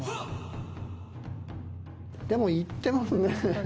でもいってますね。